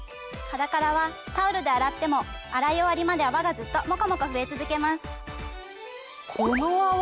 ｈａｄａｋａｒａはタオルで洗っても洗い終わりまで泡がずっともこもこ増え続けます。